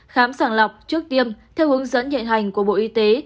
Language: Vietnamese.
khám sản lọc trước tiêm theo hướng dẫn nhận hành của bộ y tế